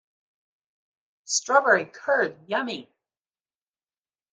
Strawberry curd, yummy!